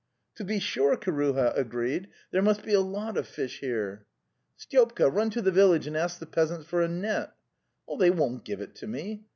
"To be sure," Kiruha agreed; " there must be a lot of fish here."' '" Styopka, run to the village and ask the peasants FOUPAUMEL NS 'They won't give it to me."